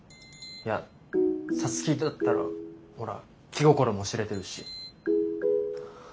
いや皐月だったらほら気心も知れてるし。